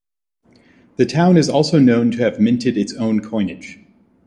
The town is also known to have minted its own coinage.